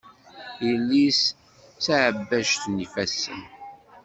Yelli-s d taɛebbajt n yifassen.